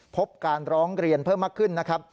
พบการร้องเรียนเพิ่มมากขึ้นนะครับ